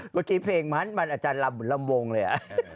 เมื่อกี้เพลงมันอาจารย์ลำวงเลยอะ